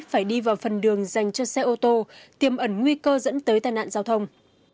phải đi vào phần đường dành cho xe ô tô tiềm ẩn nguy cơ dẫn tới tai nạn giao thông